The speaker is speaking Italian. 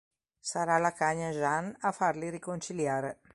Sarà la cagna Jean a farli riconciliare.